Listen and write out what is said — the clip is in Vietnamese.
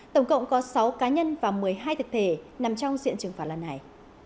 tổng cộng có sáu cá nhân và một mươi hai thực thể nằm trong diện trừng phạt lần này